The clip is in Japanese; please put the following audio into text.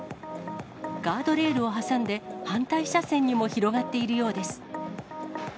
ガードレールを挟んで反対車線にも広がっているようです。